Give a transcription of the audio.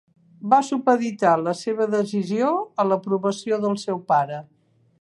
Va supeditar la seva decisió a l'aprovació del seu pare.